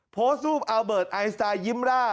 โพสต์รูปอัลเบิร์ตไอสไตล์ยิ้มร่า